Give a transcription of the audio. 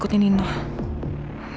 puedes wein sindtag sekarang